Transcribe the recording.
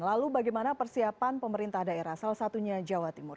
lalu bagaimana persiapan pemerintah daerah salah satunya jawa timur